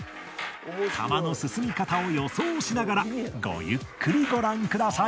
玉の進み方を予想しながらごゆっくりご覧ください。